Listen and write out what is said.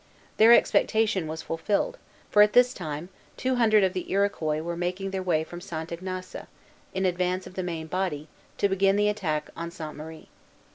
Their expectation was fulfilled; for, at this time, two hundred of the Iroquois were making their way from St. Ignace, in advance of the main body, to begin the attack on Sainte Marie.